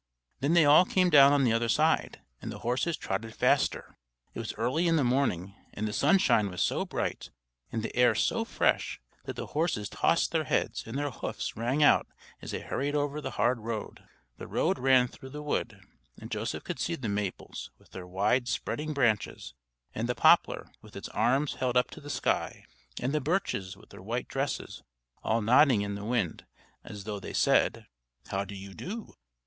Then they all came down on the other side, and the horses trotted faster. It was early in the morning, and the sunshine was so bright and the air so fresh that the horses tossed their heads, and their hoofs rang out as they hurried over the hard road. The road ran through the wood, and Joseph could see the maples with their wide spreading branches, and the poplar with its arms held up to the sky, and the birches with their white dresses, all nodding in the wind, as though they said, "How do you do?"